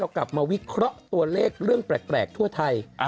กลับมาวิเคราะห์ตัวเลขเรื่องแปลกทั่วไทย